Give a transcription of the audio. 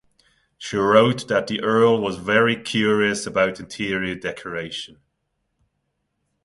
She wrote that the Earl was "veri curious" about interior decoration.